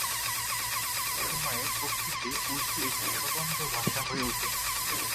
সময়ের প্রেক্ষিতে উর্দু একটি স্বতন্ত্র ভাষা হয়ে উঠে।